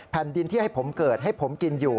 แผ่นดินที่ให้ผมเกิดให้ผมกินอยู่